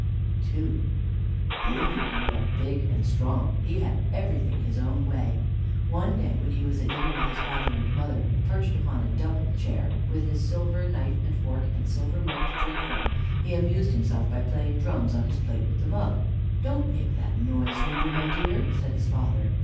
II Limby grew up big and strong; he had everything his own way. One day, when he was at dinner with his father and mother, perched upon a double chair, with his silver knife and fork, and silver mug to drink from, he amused himself by playing drums on his plate with the mug. "Don't make that noise, Limby, my dear," said his father.